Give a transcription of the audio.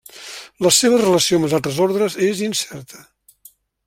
La seva relació amb altres ordres és incerta.